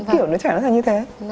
kiểu đứa trẻ nó như thế